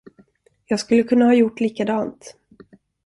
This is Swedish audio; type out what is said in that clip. Jag skulle kunna ha gjort likadant.